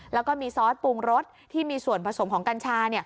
แล้วก็มีซอสปรุงรสที่มีส่วนผสมของกัญชา